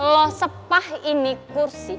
lo sepah ini kursi